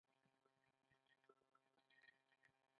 ایا زه باید تقاعد وکړم؟